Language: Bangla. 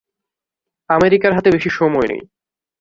আমেরিকার হাতে বেশি সময় নেই।